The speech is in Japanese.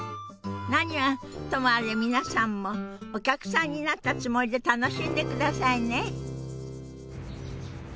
何はともあれ皆さんもお客さんになったつもりで楽しんでくださいね。